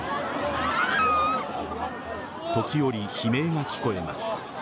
時折、悲鳴が聞こえます。